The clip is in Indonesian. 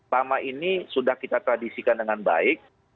pama ini sudah kita tradisikan dengan baik